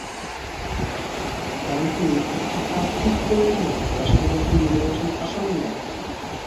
দলটির একটি প্রার্থীর প্রয়োজন, রাষ্ট্রপতি নির্বাচন আসন্ন।